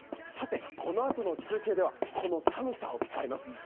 さてこのあとの中継では、この寒さを使います。